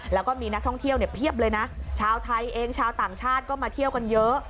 แล้วก็มีนักท่องเที่ยวเนี่ยเพียบเลยนะชาวไทยเองชาวต่างชาติก็มาเที่ยวกันเยอะ